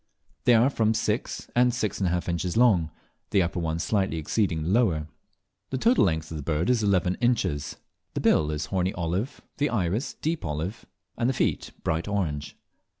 They are from six to six and a half inches long, the upper one slightly exceeding the lower. The total length of the bird is eleven inches. The bill is horny olive, the iris deep olive, and the feet bright orange.